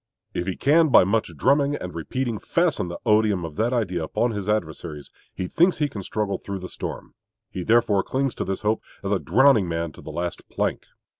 If he can by much drumming and repeating fasten the odium of that idea upon his adversaries, he thinks he can struggle through the storm. He therefore clings to this hope as a drowning man to the last plank.